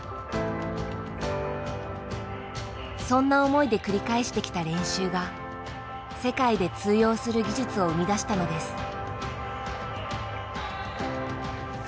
そんな思いで繰り返してきた練習が世界で通用する技術を生み出したのです。